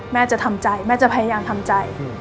แม่จะทำใจแม่จะพยายามทำใจ